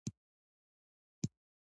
چې د ښځو په کمزور ښودلو سره نارينه وو